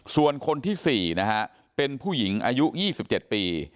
ส่วนคนที่๔นะฮะเป็นผู้หญิงอายุ๒๗ปี